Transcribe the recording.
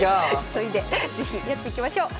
急いで是非やっていきましょう。